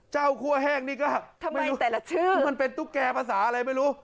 เจ้าคั่วแห้งนี่ก็ไม่รู้มันเป็นตุ๊กแก่ภาษาอะไรไม่รู้